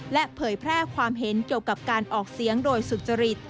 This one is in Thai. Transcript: และเผยแพร่ความเห็นเกี่ยวกับการออกเสียงโดยสุจริต